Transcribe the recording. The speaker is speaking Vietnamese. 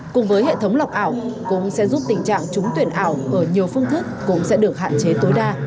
cùng với hệ thống lọc ảo cũng sẽ giúp tình trạng trúng tuyển ảo ở nhiều phương thức cũng sẽ được hạn chế tối đa